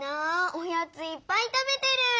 おやついっぱい食べてる！